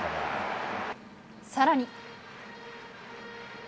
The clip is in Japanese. さらに。